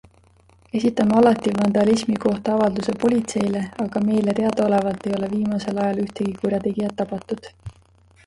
Esitame alati vandalismi kohta avalduse politseile, aga meile teadaolevalt ei ole viimasel ajal ühtegi kurjategijat tabatud.